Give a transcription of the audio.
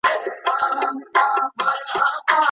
ولې افغان سوداګر خوراکي توکي له پاکستان څخه واردوي؟